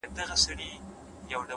ما چي د ميني په شال ووهي ويده سمه زه.